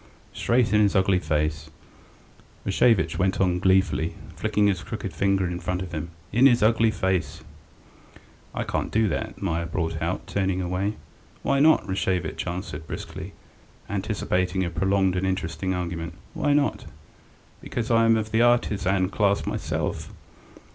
straight in his ugly face," Rashevitch went on gleefully, flicking his crooked finger in front of him. "In his ugly face!" "I can't do that," Meier brought out, turning away. "Why not?" Rashevitch answered briskly, anticipating a prolonged and interesting argument. "Why not?" "Because I am of the artisan class myself!"